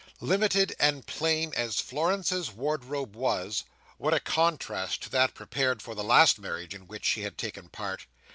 Limited and plain as Florence's wardrobe was—what a contrast to that prepared for the last marriage in which she had taken part!